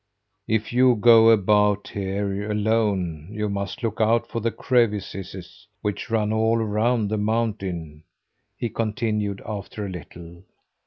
"If you go about here alone you must look out for the crevices which run all around the mountain," he continued after a little.